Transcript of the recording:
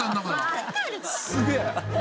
すげえ！